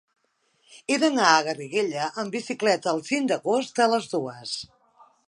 He d'anar a Garriguella amb bicicleta el cinc d'agost a les dues.